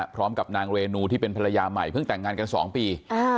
พร้อมกับนางเรนูที่เป็นภรรยาใหม่เพิ่งแต่งงานกัน๒ปี